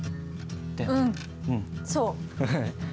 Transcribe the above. うんそう。